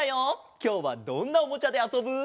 きょうはどんなおもちゃであそぶ？